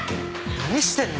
何してんだ？